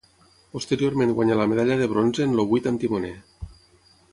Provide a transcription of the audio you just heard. Posteriorment guanyà la medalla de bronze en el vuit amb timoner.